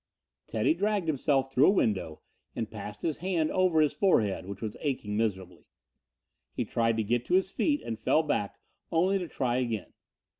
Teddy dragged himself through a window and passed his hand over his forehead, which was aching miserably. He tried to get to his feet and fell back, only to try again.